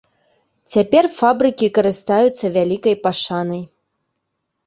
Цяпер фабрыкі карыстаюцца вялікай пашанай.